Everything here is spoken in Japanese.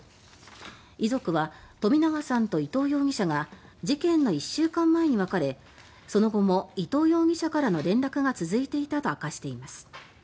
遺族は、冨永さんと伊藤容疑者が事件の１週間前に別れその後も伊藤容疑者からの連絡が続いていたと明かしています。